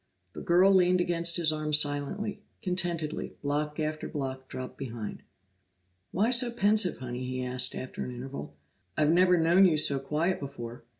The girl leaned against his arm silently, contentedly; block after block dropped behind. "Why so pensive, Honey?" he asked after an interval. "I've never known you so quiet before."